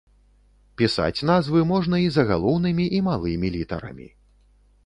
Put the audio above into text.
Пісаць назвы можна і загалоўнымі, і малымі літарамі.